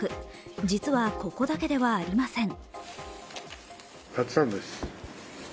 実はここだけではありません。